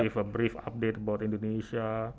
untuk memberikan update pendek tentang indonesia